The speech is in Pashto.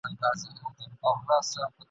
آیا د هغې باب څېړنه وسوه؟